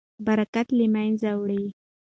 برکت له منځه وړي.